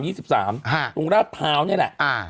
ฮะตรงราชเท้านี่แหละอ่า